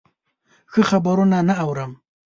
ښه خبرونه نه اورم.